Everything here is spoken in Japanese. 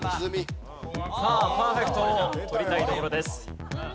さあパーフェクトを取りたいところです。